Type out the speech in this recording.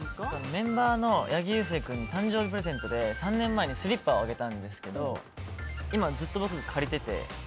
メンバーの八木勇征君の誕生日プレゼントで３年前にスリッパをあげたんですけど今、ずっと僕借りてて。